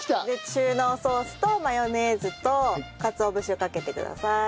中濃ソースとマヨネーズとかつお節をかけてください。